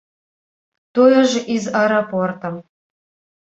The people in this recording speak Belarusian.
Тое ж і з аэрапортам.